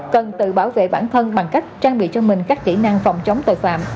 cần tự bảo vệ bản thân bằng cách trang bị cho mình các kỹ năng phòng chống tội phạm